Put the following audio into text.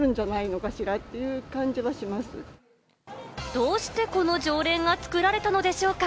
どうしてこの条例が作られたのでしょうか？